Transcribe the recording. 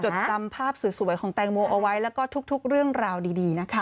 จดจำภาพสวยของแตงโมเอาไว้แล้วก็ทุกเรื่องราวดีนะคะ